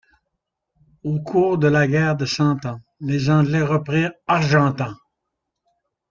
Au cours de la guerre de Cent Ans, les Anglais reprirent Argentan.